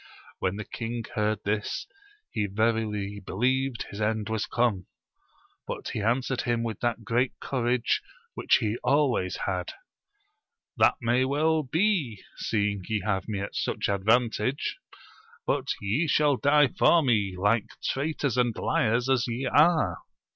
When the king heard this, he verily believed his end was come j but he answered him with that great courage which he always had : That may well be, seeing ye have me at such advantage; but ye shall die for me, like traitors and liars as ye are